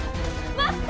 待って！